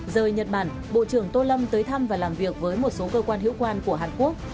rời nhật bản bộ trưởng tô lâm tới thăm và làm việc với một số cơ quan hữu quan của hàn quốc